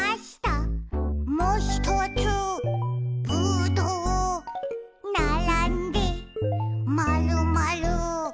「もひとつぶどう」「ならんでまるまる」